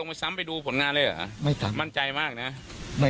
มีรถกระบะจอดรออยู่นะฮะเพื่อที่จะพาหลบหนีไป